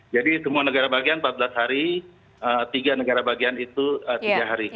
jadi semua negara bagian empat belas hari tiga negara bagian itu tiga hari